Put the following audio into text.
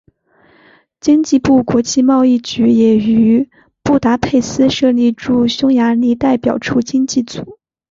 经济部国际贸易局也于布达佩斯设立驻匈牙利代表处经济组。